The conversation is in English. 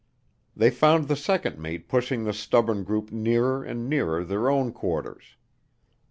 They found the second mate pushing the stubborn group nearer and nearer their own quarters.